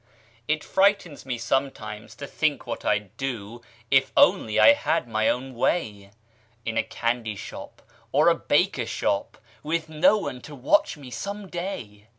It frightens me sometimes, to think what I'd do, If only I had my own way In a candy shop or a baker shop, Witn no one to watch me, some day.